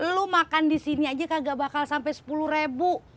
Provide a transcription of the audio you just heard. lu makan di sini aja kagak bakal sampai sepuluh rebu